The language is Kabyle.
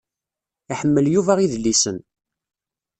Iḥemmel Yuba idlisen.